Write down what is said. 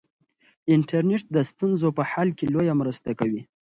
انټرنیټ د ستونزو په حل کې لویه مرسته کوي.